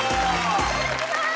いただきます。